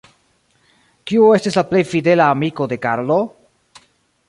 Kiu estis la plej fidela amiko de Karlo?